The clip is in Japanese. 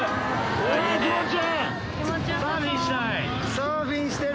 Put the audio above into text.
サーフィンしたい。